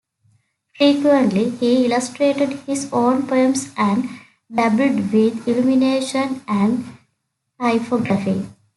Frequently he illustrated his own poems and dabbled with illumination and typography.